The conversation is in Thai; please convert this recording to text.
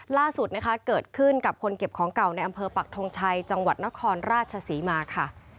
ล่าสุดนะคะเกิดขึ้นกับคนเก็บของเก่าในอำเภอปักทงชัยจังหวัดนครราชศรีมาค่ะ